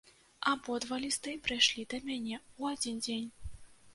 Абодва лісты прыйшлі да мяне ў адзін дзень.